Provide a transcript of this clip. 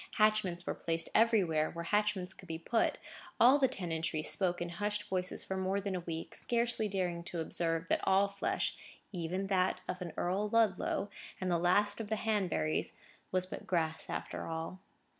Hatchments were placed everywhere, where hatchments could be put. All the tenantry spoke in hushed voices for more than a week, scarcely daring to observe that all flesh, even that of an Earl Ludlow, and the last of the Hanburys, was but grass after all.